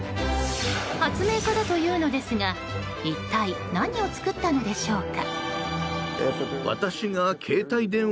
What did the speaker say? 発明家だというのですが一体何を作ったのでしょうか。